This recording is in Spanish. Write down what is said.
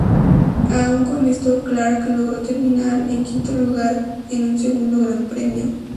Aún con esto Clark logró terminar en quinto lugar en su segundo gran premio.